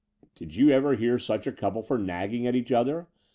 "Did you ever hear such a couple for nagging at each other?"